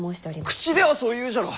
口ではそう言うじゃろ！